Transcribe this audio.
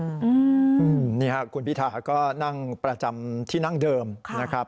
อืมนี่ค่ะคุณพิธาก็นั่งประจำที่นั่งเดิมนะครับ